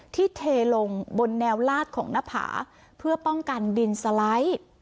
ที่เทลงบนแนวรากของนักผาเพื่อป้องกันดินสลาย